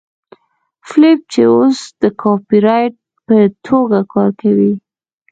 فیلیپ چې اوس د کاپيرایټر په توګه کار کوي